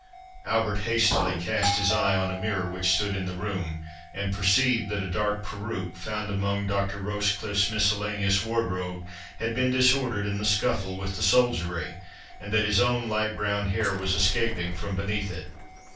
Albert hastily cast his eyes on a mirror which stood in the room, and perceived that a dark peruke, found among Dr. Rochecliffe's miscellaneous wardrobe, had been disordered in the scuffle with the soldiery, and that his own light brown hair was escaping from beneath it.